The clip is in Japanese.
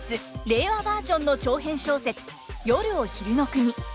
令和バージョンの長編小説「夜を昼の國」。